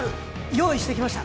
用意してきました